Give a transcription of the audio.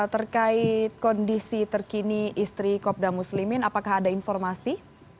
terkait kondisi terkini istri kopda muslimin apakah ada informasi